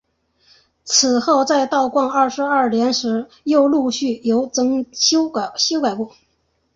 此后在道光二十二年时又陆续有整修过。